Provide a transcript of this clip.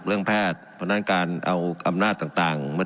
เรื่องแพทย์เพราะฉะนั้นการเอาอำนาจต่าง